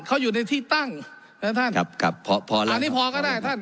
เขาอยู่ในที่ตั้งนะท่านครับครับพอพอแล้วอันนี้พอก็ได้ท่าน